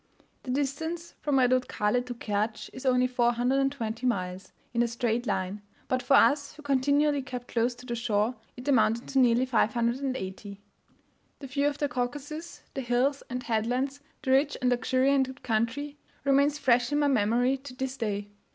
The distance from Redutkale to Kertsch is only 420 miles in a straight line, but for us, who continually kept close to the shore, it amounted to nearly 580. The view of the Caucasus the hills and headlands the rich and luxuriant country remains fresh in my memory to this day.